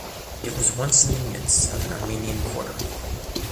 It was once in the midst of an Armenian quarter.